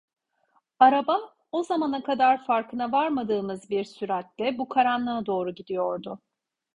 Araba, o zamana kadar farkına varmadığımız bir süratle bu karanlığa doğru gidiyordu.